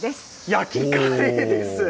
焼きカレーです。